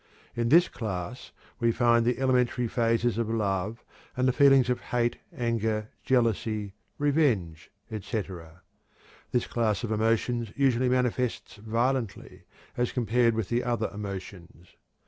In this class we find the elementary phases of love, and the feelings of hate, anger, jealousy, revenge, etc. This class of emotions usually manifests violently, as compared with the other emotions.